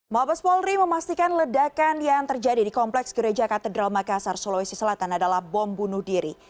mabes polri memastikan ledakan yang terjadi di kompleks gereja katedral makassar sulawesi selatan adalah bom bunuh diri